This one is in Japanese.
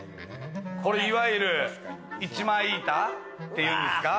これ、いわゆる１枚板っていうんですか？